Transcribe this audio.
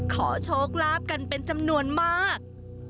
ขอโชคลาภกันเป็นจำนวนมาก